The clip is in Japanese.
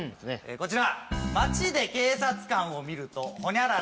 こちら。